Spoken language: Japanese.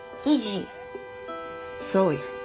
そうや。